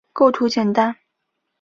构图简单